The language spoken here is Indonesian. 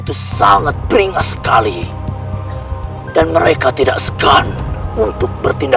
mungkin saja mereka kebetulan lewat sini